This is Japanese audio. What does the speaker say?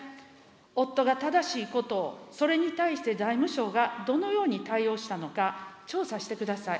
夫が正しいことを、それに対して財務省がどのように対応したのか、調査してください。